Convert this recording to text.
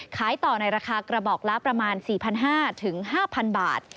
ขายต่อในราคากระบอกละประมาณ๔๕๐๐๕๐๐บาท